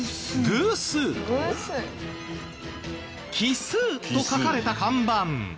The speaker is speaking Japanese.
偶数と奇数と書かれた看板。